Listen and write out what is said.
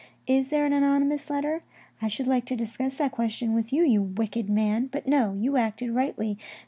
" Is there an anonymous letter ? I should like to discuss that question with you, you wicked man; but no, you acted rightly.